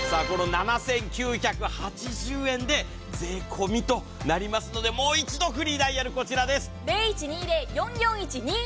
この７９８０円で税込みとなりますので、もう一度、フリーダイヤル、こちらです。